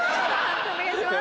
判定お願いします。